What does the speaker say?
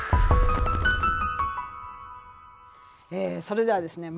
それではですね